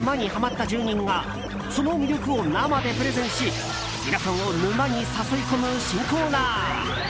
さまざまな沼にハマった住人がその魅力を生でプレゼンし皆さんを沼に誘い込む新コーナー。